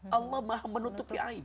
allah maha menutupi aib